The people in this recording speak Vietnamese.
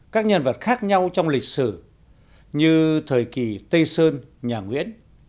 các nhân vật khác nhau trong lịch sử như thời kỳ tây sơn nhà nguyễn